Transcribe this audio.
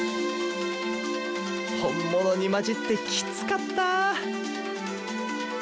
本物に交じってキツかった！